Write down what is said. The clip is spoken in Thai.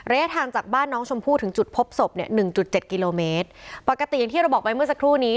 ระยะทางจากบ้านน้องชมพู่ถึงจุดพบศพเนี่ยหนึ่งจุดเจ็ดกิโลเมตรปกติอย่างที่เราบอกไปเมื่อสักครู่นี้